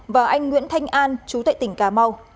và anh nguyễn thanh an chú tại tỉnh cà mau